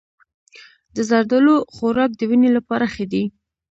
د زردالو خوراک د وینې لپاره ښه دی.